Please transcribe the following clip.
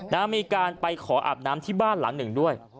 มีการไปขออาบน้ำที่บ้านหลังหนึ่งด้วย